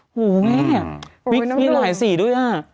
หูแม่วิกมีหลายสีด้วยอ่ะ